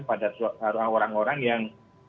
pada orang orang yang